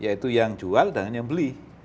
yaitu yang jual dan yang beli